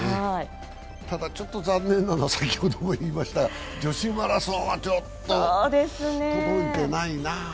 ただ、ちょっと残念なのは先ほど言いました女子マラソンはちょっと届いてないな。